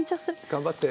頑張って。